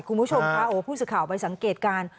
คุณผู้ชมค่ะโอ้ผู้สื่อข่าวไปสังเกตการณ์